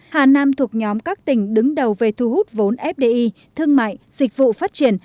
hà nam thuộc nhóm các tỉnh đứng đầu về thu hút vốn fdi thương mại dịch vụ phát triển